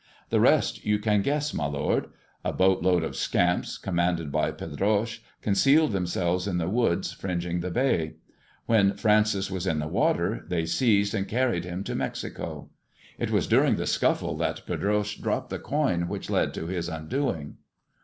The rest you can guess, my lord. A boat load of scamps, commanded by Pedroche, con 298 THE JESUIT AND THE MEXICAN COIN cealed themselves in the woods fringing the bay. When Francis was in the water, they seized and carried him to Mexico. It was during the scuffle that Pedroche dropped the coin which led to his undoing."